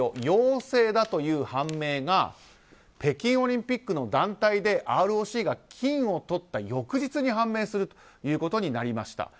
陽性だという判明が北京オリンピックの団体でＲＯＣが金をとった翌日に判明するということになりました。